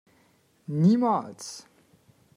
Niemals!